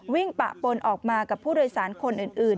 ปะปนออกมากับผู้โดยสารคนอื่น